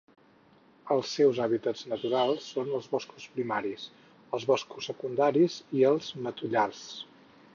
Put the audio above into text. Els seus hàbitats naturals són els boscos primaris, els boscos secundaris i els matollars.